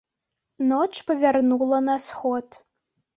Ноч павярнула на сход.